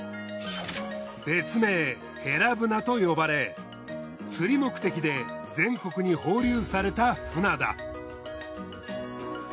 別名ヘラブナと呼ばれ釣り目的で全国に放流されたフナだ。